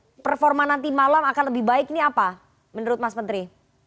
nah performa nanti malam akan lebih baik ini apa menurut mas menteri